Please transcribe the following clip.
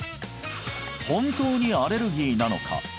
本当にアレルギーなのか？